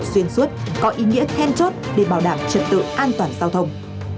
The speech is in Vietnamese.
xuyên suốt có ý nghĩa then chốt để bảo đảm trật tự an toàn giao thông